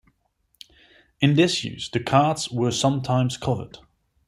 In this use the carts were sometimes covered.